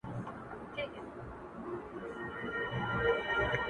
دا خبره هم پر ژبه سم راوړلای -